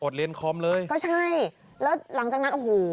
เรียนคอมเลยก็ใช่แล้วหลังจากนั้นโอ้โห